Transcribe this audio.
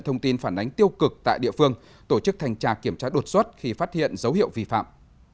thông tin phản ánh tiêu cực tại địa phương tổ chức thanh tra kiểm tra đột xuất khi phát hiện dấu hiệu vi phạm